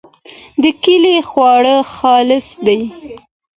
د کلي خواړه خالص دي.